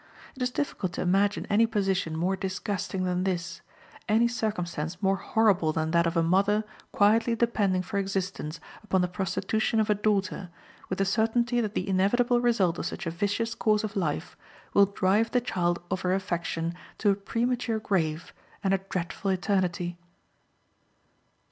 It is difficult to imagine any position more disgusting than this any circumstance more horrible than that of a mother quietly depending for existence upon the prostitution of a daughter, with the certainty that the inevitable result of such a vicious course of life will drive the child of her affection to a premature grave and a dreadful eternity.